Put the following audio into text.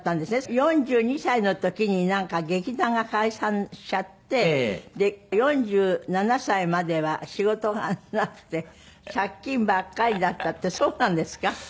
４２歳の時になんか劇団が解散しちゃってで４７歳までは仕事がなくて借金ばっかりだったってそうなんですか？